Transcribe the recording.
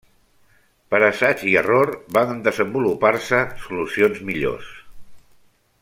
Per assaig i error, van desenvolupar-se solucions millors.